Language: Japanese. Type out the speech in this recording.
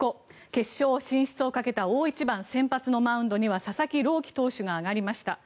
決勝進出をかけた大一番先発のマウンドには佐々木朗希投手が上がりました。